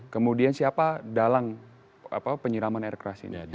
kemudian siapa dalang penyiraman air keras ini